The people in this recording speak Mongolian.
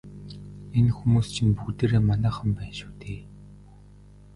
Энэ хүмүүс чинь бүгдээрээ манайхан байна шүү дээ.